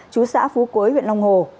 chú xã phú quế huyện long hồ